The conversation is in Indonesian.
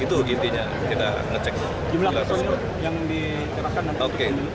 itu intinya kita ngecek